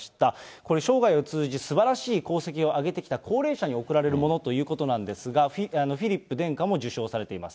これ、障害を通じ、すばらしい功績を挙げてきた高齢者に贈られるものということなんですが、フィリップ殿下も受賞されています。